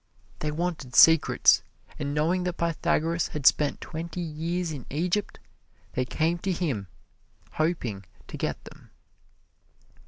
They wanted secrets, and knowing that Pythagoras had spent twenty years in Egypt, they came to him, hoping to get them.